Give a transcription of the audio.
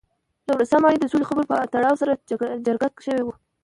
د ورسا په ماڼۍ کې د سولې خبرو په تړاو سره جرګه شوي وو.